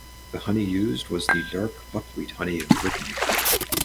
The honey used was the dark buckwheat honey of Brittany.